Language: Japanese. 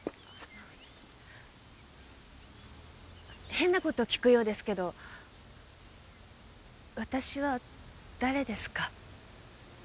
変なこと聞くようですけどわたしは誰ですか？